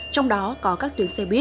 trong đó có các tuyến xe buýt